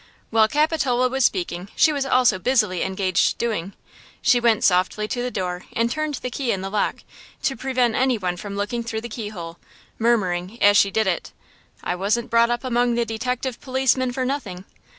While Capitola was speaking she was also busily engaged doing. She went softly to the door and turned the key in the lock, to prevent any one from looking through the keyhole, murmuring as she did it: "I wasn't brought up among the detective policemen for nothing!"